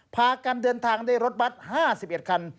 ผ่าการเดินทางในรถบัตร๕๑คัน